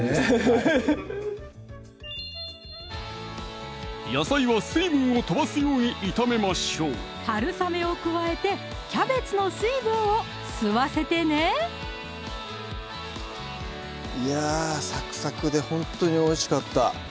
はい野菜は水分をとばすように炒めましょうはるさめを加えてキャベツの水分を吸わせてねいやぁサクサクでほんとにおいしかった